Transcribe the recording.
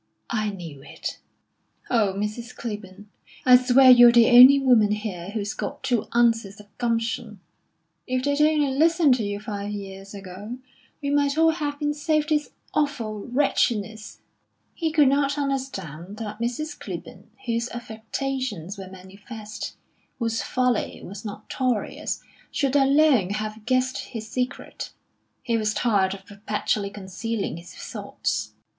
"I knew it." "Oh, Mrs. Clibborn, I swear you're the only woman here who's got two ounces of gumption. If they'd only listened to you five years ago, we might all have been saved this awful wretchedness." He could not understand that Mrs. Clibborn, whose affectations were manifest, whose folly was notorious, should alone have guessed his secret. He was tired of perpetually concealing his thoughts.